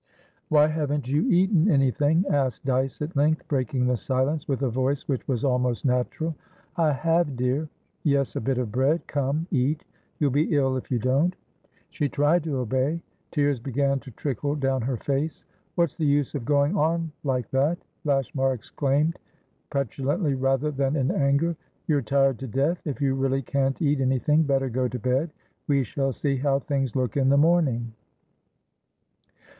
"Why haven't you eaten anything?" asked Dyce at length, breaking the silence with a voice which was almost natural. "I have, dear." "Yes, a bit of bread. Come, eat! You'll be ill if you don't." She tried to obey. Tears began to trickle down her face. "What's the use of going on like that?" Lashmar exclaimed, petulantly rather than in anger. "You're tired to death. If you really can't eat anything, better go to bed. We shall see how things look in the morning."